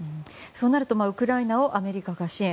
そうなるとウクライナをアメリカが支援。